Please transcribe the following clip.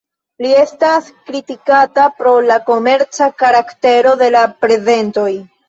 Li estas kritikata pro la komerca karaktero de la prezentoj.